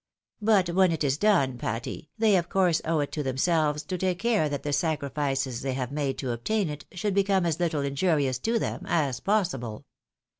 But when it is done, Patty, they of course owe it to themselves to take care that the sacrifices they have made to obtain it should become as little injurious to them as possible.